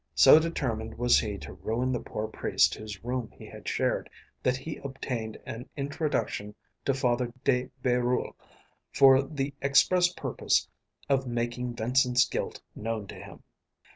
So determined was he to ruin the poor priest whose room he had shared that he obtained an introduction to Father de Bérulle for the express purpose of making Vincent's guilt known to him.